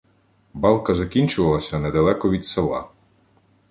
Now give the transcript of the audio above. Балка закінчувалася недалеко від села.